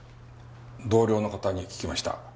同僚の方に聞きました。